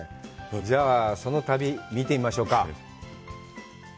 じゃあその旅、見てみましょうか。